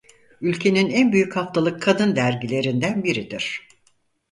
Ülkenin en büyük haftalık kadın dergilerinden biridir.